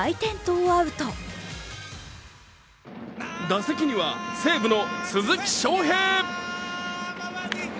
打席には西武の鈴木将平。